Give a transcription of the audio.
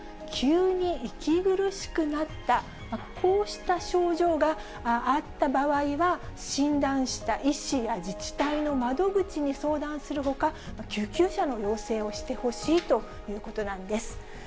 急に息苦しくなった、こうした症状があった場合は、診断した医師や自治体の窓口に相談するほか、救急車の要請をしてほしいということなんです。